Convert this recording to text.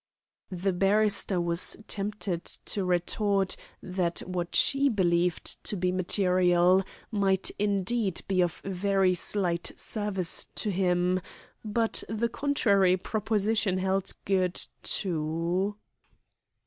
The barrister was tempted to retort that what she believed to be "material" might indeed be of very slight service to him, but the contrary proposition held good, too.